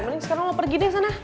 mending sekarang mau pergi deh sana